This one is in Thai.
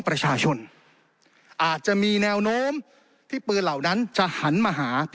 ประชาชนอาจจะมีแนวโน้มที่ปืนเหล่านั้นจะหันมาหา